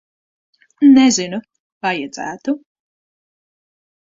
Nezinu. Vajadzētu.